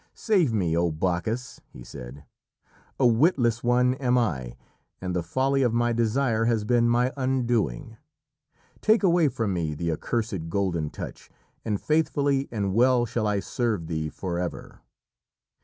"Save me, O Bacchus!" he said. "A witless one am I, and the folly of my desire has been my undoing. Take away from me the accursed Golden Touch, and faithfully and well shall I serve thee forever."